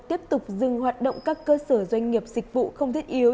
tiếp tục dừng hoạt động các cơ sở doanh nghiệp dịch vụ không thiết yếu